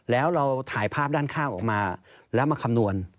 แล้วเราถ่ายภาพด้านข้างออกมาแล้วมาคำนวณ